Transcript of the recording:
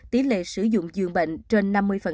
tỷ lệ sử dụng dường bệnh trên năm mươi